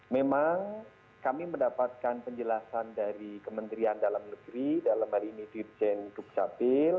memang kami mendapatkan penjelasan dari kementerian dalam negeri dalam hal ini dirjen duk capil